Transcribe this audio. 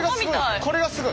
これがすごい！